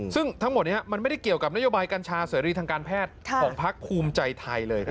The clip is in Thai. ซึ่งทั้งหมดนี้มันไม่ได้เกี่ยวกับนโยบายกัญชาเสรีทางการแพทย์ของพักภูมิใจไทยเลยครับ